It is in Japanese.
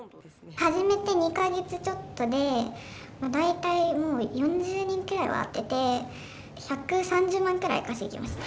始めて２か月ちょっとで大体もう４０人くらいは会っていて１３０万くらい稼ぎました。